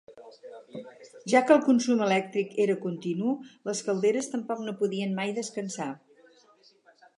Ja que el consum elèctric era continu, les calderes tampoc no podien mai descansar.